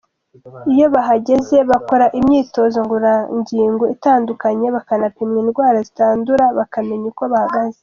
Iyo bahageze bakora imyitozo ngororangingo itandukanye, bakanapimwa indwara zitandura bakamenya uko bahagaze.